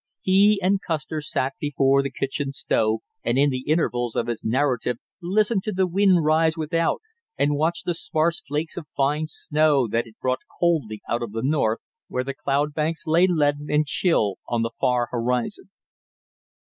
He and Custer sat before the kitchen stove and in the intervals of his narrative listened to the wind rise without, and watched the sparse flakes of fine snow that it brought coldly out of the north, where the cloud banks lay leaden and chill on the far horizon.